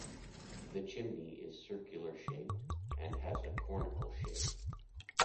The chimney is circular-shaped and has a conical shape.